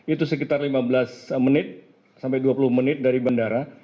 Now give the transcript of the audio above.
itu sekitar lima belas menit sampai dua puluh menit dari bandara